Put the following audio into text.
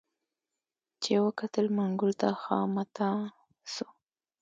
چي یې وکتل منګول ته خامتما سو